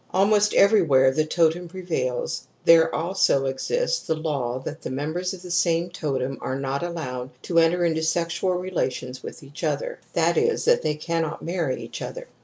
Almost everywhere the totem prevails there also exists ') the law that the nwrubjsrs. of the same tj^tetxLacejwi allowed to enter into seooual^ relations with each other ;*that is, that they cannot marry each other.